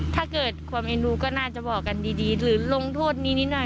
ถ้าเกิดความเอ็นดูก็น่าจะบอกกันดีหรือลงโทษนี้นิดหน่อย